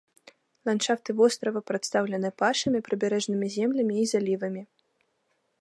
Ландшафты вострава прадстаўлены пашамі, прыбярэжнымі землямі і залівамі.